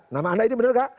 nama anda ini bener gak